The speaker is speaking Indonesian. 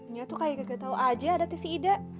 nyat tuh kayak ga tau aja ada tisi ida